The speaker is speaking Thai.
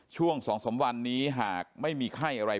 ช่วง๒๓วันนี้หากไม่มีไข้อะไร